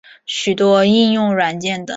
许多应用软件等。